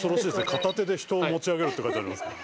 「片手で人をもち上げる」って書いてありますから。